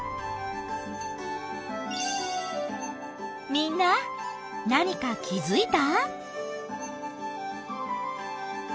みんな何か気づいた？